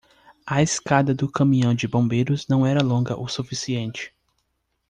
A escada do caminhão de bombeiros não era longa o suficiente.